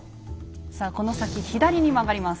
さあこの先左に曲がります。